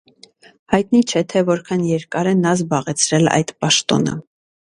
Հայտնի չէ, որքան երկար է նա զբաղեցրել այդ պաշտոնը։